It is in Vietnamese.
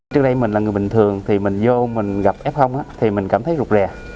trước đây mình là người bình thường thì mình vô mình gặp f thì mình cảm thấy rụt rè